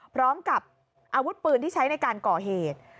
พร้อมกับอาวุธปืนที่ใช้ในการก่อเหตุ